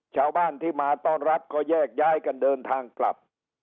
ชาวบ้านที่มาต้อนรับก็แยกย้ายกันเดินทางกลับ